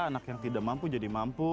anak yang tidak mampu jadi mampu